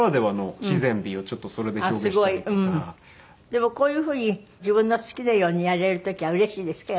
でもこういうふうに自分の好きなようにやれる時はうれしいですか？